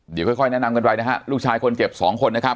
เดี๋ยวค่อยแนะนำกันไปนะฮะลูกชายคนเจ็บสองคนนะครับ